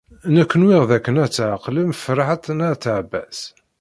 Nekk nwiɣ dakken ad tɛeqlem Ferḥat n At Ɛebbas.